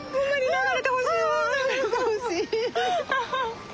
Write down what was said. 流れてほしい。